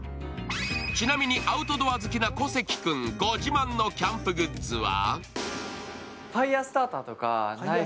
ちなみに、アウトドア好きな小関君、ご自慢のキャンプグッズは？